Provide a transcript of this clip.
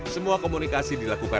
semua komunikasi dilakukan